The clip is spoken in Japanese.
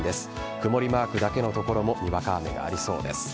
曇りマークだけの所もにわか雨がありそうです。